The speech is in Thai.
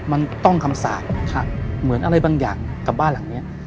มันต้องคำสาปเหมือนอะไรบางอย่างกับบ้านหลังนี้